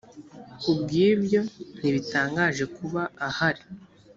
ku bw ibyo ntibitangaje kuba ahari